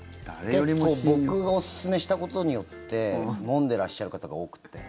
結構僕がおすすめしたことによって飲んでらっしゃる方が多くて。